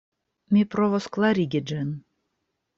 Mi provos klarigi ĝin.